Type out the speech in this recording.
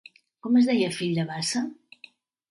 Com es deia el fill de Bassa?